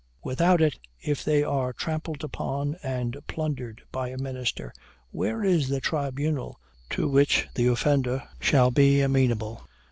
without it, if they are trampled upon and plundered by a minister, where is the tribunal to which the offender shall be amenable?